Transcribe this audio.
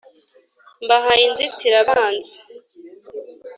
mbahaye inzitirabanzi